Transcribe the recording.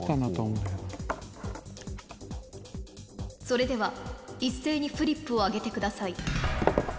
それでは一斉にフリップをあげてください